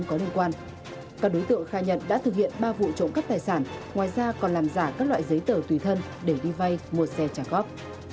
các đối tượng khai nhận đã thực hiện ba vụ trộm cắp tài sản ngoài ra còn làm giả các loại giấy tờ tùy thân để đi vay mua xe trả góp